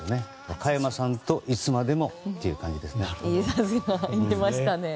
加山さんといつまでもという感じですね。